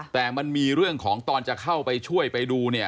แต่มันมีเรื่องของตอนจะเข้าไปช่วยไปดูเนี่ย